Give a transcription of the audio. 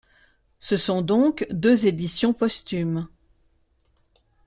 Ce sont donc deux éditions posthumes.